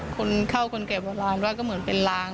คนเข้าคนเขี่ยวรางดวชเหมือนเป็นราง